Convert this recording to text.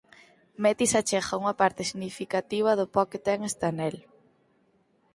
Metis achega unha parte significativa do po que ten este anel.